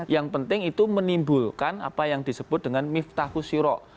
yang penting itu menimbulkan apa yang disebut dengan miftahusiro